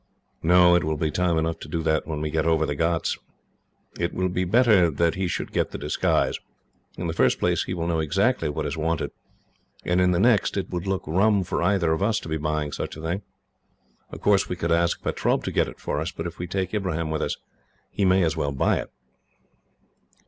"No, it will be time enough to do that when we get over the ghauts. It will be better that he should get the disguise. In the first place, he will know exactly what is wanted; and in the next, it would look rum for either of us to be buying such a thing. Of course, we could ask Pertaub to get it for us, but if we take Ibrahim with us he may as well buy it.